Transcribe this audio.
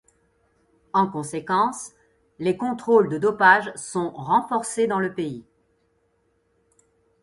En conséquence, les contrôles de dopage sont renforcés dans le pays.